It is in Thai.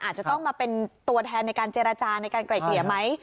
อาจจะต้องมาเป็นตัวแทนในการเจรจาในการไกล่เกลี่ยไหม